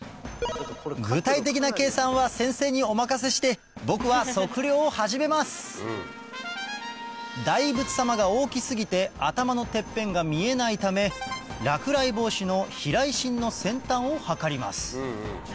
具体的な計算は先生にお任せして僕は測量を始めます大仏様が大き過ぎて頭のてっぺんが見えないため落雷防止のここかな？